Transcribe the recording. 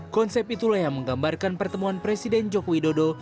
konsep itulah yang menggambarkan pertemuan presiden joko widodo